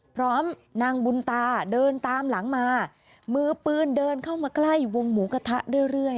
พร้อมนางบุญตาเดินตามหลังมามือปืนเดินเข้ามาใกล้วงหมูกระทะเรื่อย